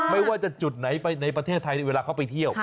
ไม่ว่าจะจุดไหนไปในประเทศไทยในเวลาเขาไปเที่ยว